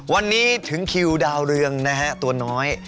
วันนี้ถึงคิวดาวเรืองนะฮะตัวน้อย